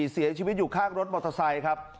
เสียชีวิตอยู่ข้างรถมอเตอร์ไซค์ครับ